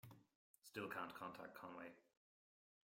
Still can't contact Conway.